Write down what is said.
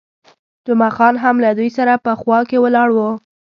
جمعه خان هم له دوی سره په خوا کې ولاړ وو.